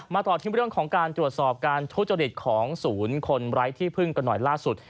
ต่อที่เรื่องของการตรวจสอบการทุจริตของศูนย์คนไร้ที่พึ่งกันหน่อยล่าสุด